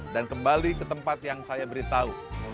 dan kembali ke tempat yang saya beritahu